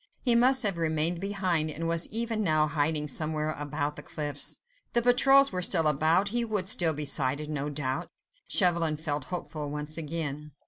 He must have remained behind, and was even now hiding somewhere about the cliffs; the patrols were still about, he would still be sighted, no doubt. Chauvelin felt hopeful once again.